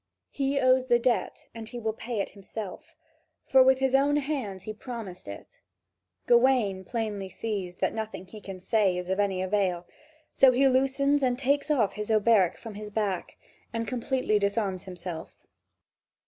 He owes the debt and he will pay it himself: for with his own hand he promised it. Gawain plainly sees that nothing he can say is of any avail, so he loosens and takes off his hauberk from his back, and completely disarms himself.